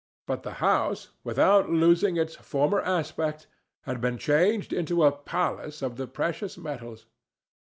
But the house, without losing its former aspect, had been changed into a palace of the precious metals.